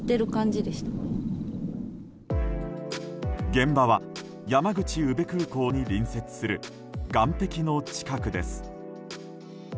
現場は山口宇部空港に隣接する岸壁の近くです。